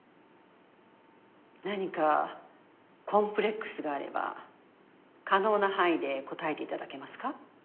何かコンプレックスがあれば可能な範囲で答えて頂けますか。